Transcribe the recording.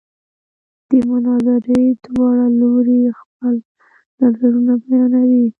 د مناظرې دواړه لوري خپل نظرونه بیانوي.